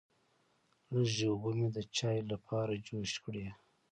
لږې اوبه مې د چایو لپاره جوش کړې.